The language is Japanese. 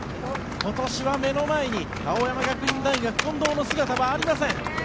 今年は目の前に青山学院大学、近藤の姿はありません。